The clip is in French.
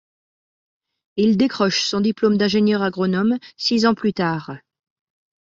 Il décroche son diplôme d'ingénieur agronome six ans plus tard.